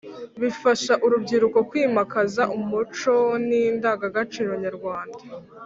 bifasha urubyiruko kwimakaza umuco n’indangagaciro nyarwanda.